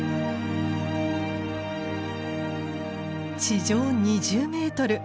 地上２０メートル